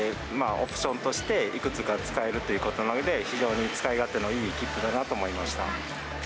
オプションとして、いくつか使えるということなので、非常に使い勝手のいい切符だなと思いました。